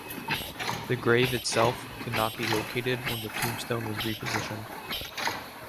The grave itself could not be located when the tombstone was repositioned.